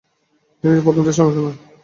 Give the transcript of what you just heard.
তিনি সিরিজের প্রথম টেস্টে অংশ নেন।